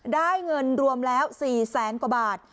ได้เงินรวมแล้ว๔แสนกว่าบาท